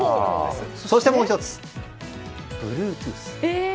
そして、もう１つＢｌｕｅｔｏｏｔｈ。